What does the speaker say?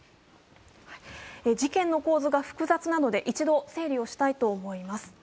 事件の構図が複雑なので一度整理をしたいと思います。